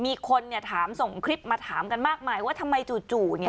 มีคนเนี่ยถามส่งคลิปมาถามกันมากมายว่าทำไมจู่เนี่ย